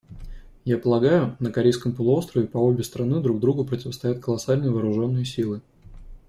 Я полагаю, на Корейском полуострове по обе стороны друг другу противостоят колоссальные вооруженные силы.